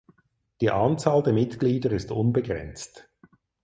Die Anzahl der Mitglieder ist unbegrenzt.